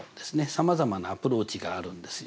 さまざまなアプローチがあるんですよ。